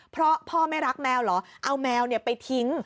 เพราะพ่อไม่รักแมวเหรอเอาแมวไปทิ้ง